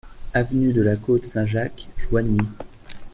Avenue de la Côte Saint-Jacques, Joigny